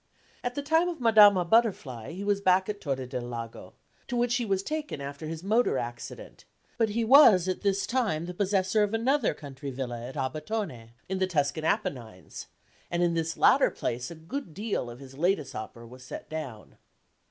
At the time of Madama Butterfly he was back at Torre del Lago, to which he was taken after his motor accident, but he was at this time the possessor of another country villa at Abetone, in the Tuscan Appenines, and in this latter place a good deal of his latest opera was set down.